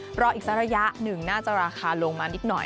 เพราะอีกสักระยะหนึ่งน่าจะราคาลงมานิดหน่อย